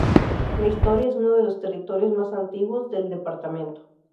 La historia es uno de los territorios más antiguos del departamento.